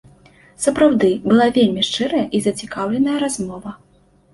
Сапраўды, была вельмі шчырая і зацікаўленая размова.